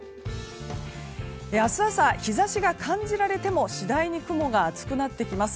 明日朝、日差しが感じられても次第に雲が厚くなってきます。